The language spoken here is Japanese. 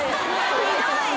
ひどい！